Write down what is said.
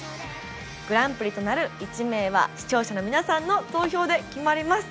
グランプリとなる１名は視聴者の皆さんの投票で決まります